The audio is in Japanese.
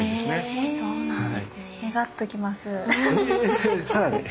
へぇそうなんですね。